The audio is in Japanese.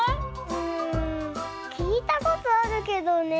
うんきいたことあるけどね。